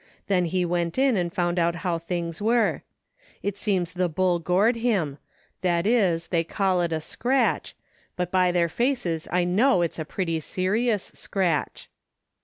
Then he went in and foimd out how things were. It seems the bull gored him — ^that is they call it a * scratch,' but by their faces I know its a pretty serious scratch.